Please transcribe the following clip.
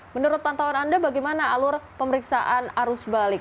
menurut pantauan anda bagaimana alur pemeriksaan arus balik